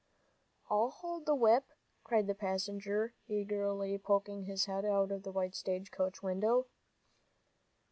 "I'll hold the whip," cried the passenger, eagerly, poking his head out of the stage coach window.